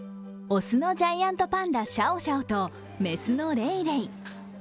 雄のジャイアントパンダ、シャオシャオと雌のレイレイ。